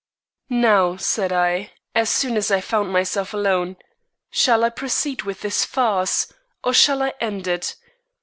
"Now," said I, as soon as I found myself alone, "shall I proceed with this farce, or shall I end it?